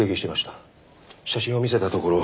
写真を見せたところ